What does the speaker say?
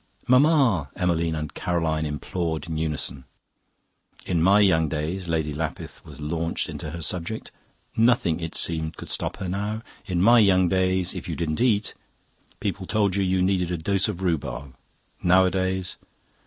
"'Mamma!...' Emmeline and Caroline implored in unison. "'In my young days ' Lady Lapith was launched into her subject; nothing, it seemed, could stop her now. 'In my young days, if you didn't eat, people told you you needed a dose of rhubarb. Nowadays...